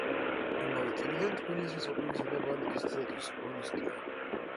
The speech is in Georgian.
იმავე წლიდან თბილისის ოპერისა და ბალეტის თეატრის სოლისტია.